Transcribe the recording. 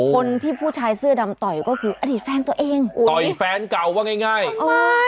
ผู้ชายเสื้อดำต่อยก็คืออดีตแฟนตัวเองต่อยแฟนเก่าว่าง่ายง่ายโอ้ย